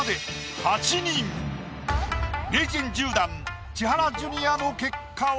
名人１０段千原ジュニアの結果は？